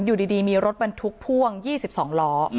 อยู่ดีมีรถบรรทุกพ่วง๒๒ล้อ